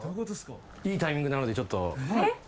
いいタイミングなのでちょっと。